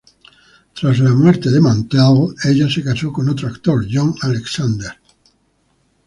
Tras la muerte de Mantell, ella se casó con otro actor, John Alexander.